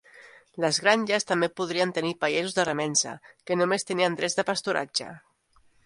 Les granges també podrien tenir pagesos de remença, que només tenien drets de pasturatge.